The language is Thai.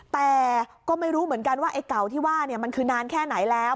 แต่ก็ไม่รู้เหมือนกันว่าไอ้เก่าที่ว่ามันคือนานแค่ไหนแล้ว